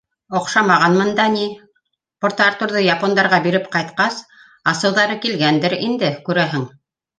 — Оҡшамағанмын да ни, Порт-Артурҙы япондарға биреп ҡайтҡас, асыуҙары килгәндер инде, күрәһең.